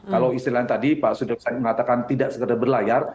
kalau istilahnya tadi pak sudirman mengatakan tidak segera berlayar